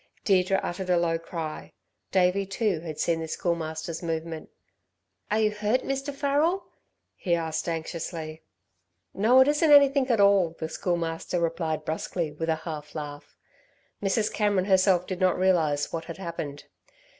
Deirdre uttered a low cry. Davey, too, had seen the Schoolmaster's movement. "Are you hurt, Mr. Farrel?" he asked anxiously. "No, it isn't anything at all!" the Schoolmaster replied brusquely, with a half laugh. Mrs. Cameron herself did not realise what had happened.